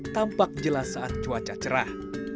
tampak jelas saat cuaca cerah